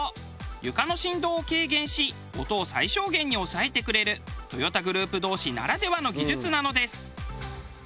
床の振動を軽減し音を最小限に抑えてくれるトヨタグループ同士ならではの技術なのです。